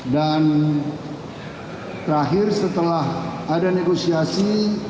dan terakhir setelah ada negosiasi